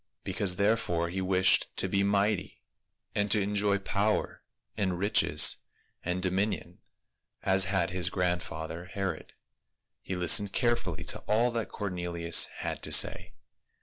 Because therefore he wished to be might} , and to THE MEDIATOR. 181 enjoy power and riches and dominion, as had his grandfather Herod, he hstened carefully to all that Cornelius had to say.